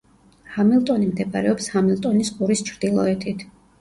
ჰამილტონი მდებარეობს ჰამილტონის ყურის ჩრდილოეთით.